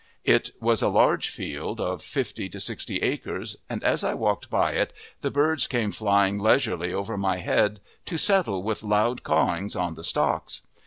It was a large field of fifty to sixty acres, and as I walked by it the birds came flying leisurely over my head to settle with loud cawings on the stocks.